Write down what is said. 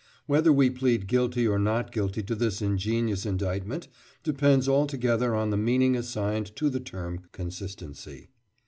Whether we plead guilty or not guilty to this ingenious indictment depends altogether on the meaning assigned to the term "consistency."